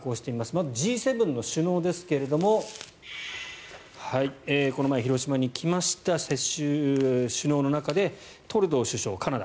まずＧ７の首脳ですけどこの前、広島に来ました首脳の中でトルドー首相、カナダ。